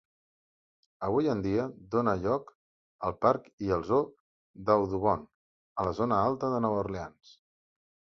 Avui en dia, dóna lloc al parc i el zoo d'Audubon, a la zona alta de Nova Orleans.